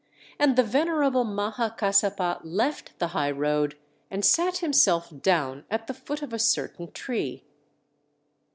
And the venerable Maha Kassapa left the high road, and sat himself down at the foot of a certain tree.